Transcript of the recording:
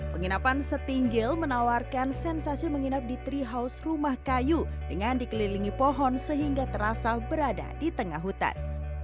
penginapan setinggil menawarkan sensasi menginap di tiga house rumah kayu dengan dikelilingi pohon sehingga terasa berada di tengah hutan